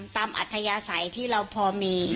อัธยาศัยที่เราพอมี